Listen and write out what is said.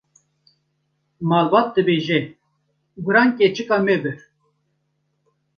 Malbat dibêje: Guran keçika me bir.